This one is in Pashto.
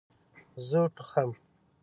زه ټوخم